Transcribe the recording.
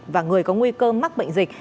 và người có nguy cơ mắc bệnh dịch